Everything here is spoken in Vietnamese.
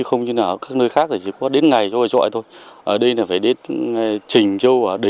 ông hoàng đình phúc